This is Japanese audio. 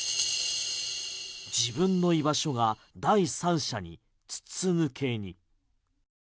自分の居場所が第三者に筒抜けに。